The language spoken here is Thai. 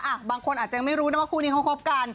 บางคนอาจจะไม่รู้นะว่าคู่นี้เขาคบกัน